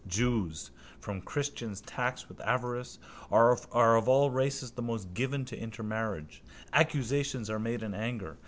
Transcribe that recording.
Jews, whom christians tax with avarice, are of all races the most given to intermarriage. Accusations are made in anger.